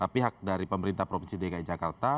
pihak dari pemerintah provinsi dki jakarta